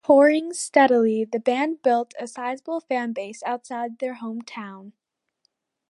Touring steadily, the band built a sizable fan base outside their hometown.